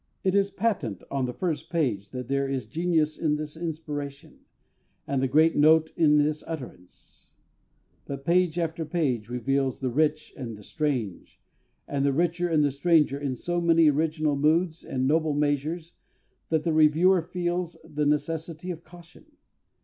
It is patent on the first page that there is genius in this inspiration, and the great note in this utterance; but page after page reveals the rich and the strange, and the richer and the stranger in so many original moods and noble measures, that the reviewer feels the necessity of caution....